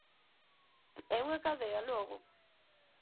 É unha cadea, logo?